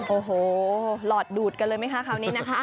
โอ้โหหลอดดูดกันเลยไหมคะคราวนี้นะคะ